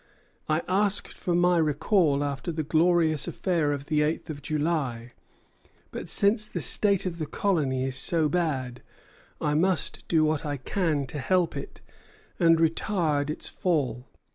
"I asked for my recall after the glorious affair of the eighth of July; but since the state of the colony is so bad, I must do what I can to help it and retard its fall."